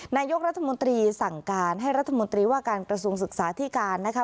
นายกรัฐมนตรีสั่งการให้รัฐมนตรีว่าการกระทรวงศึกษาที่การนะคะ